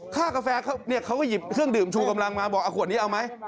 ค่ากาแฟเขาก็หยิบเครื่องดื่มชูกำลังมาบอกเอาขวดนี้เอาไหม